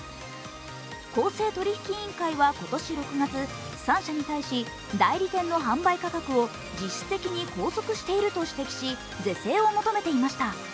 公正取引委員会は今年６月３社に対し、代理店の販売価格を実質的に拘束していると指摘し、是正を求めていました。